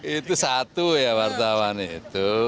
itu satu ya wartawan itu